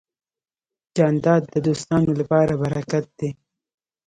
جانداد د دوستانو لپاره برکت دی.